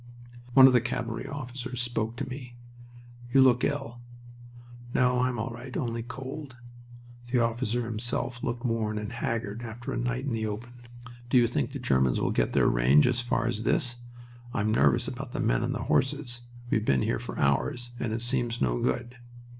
One of the cavalry officers spoke to me. "You look ill." "No, I'm all right. Only cold." The officer himself looked worn and haggard after a night in the open. "Do you think the Germans will get their range as far as this? I'm nervous about the men and the horses. We've been here for hours, and it seems no good."